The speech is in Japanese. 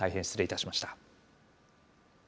失礼いたしました。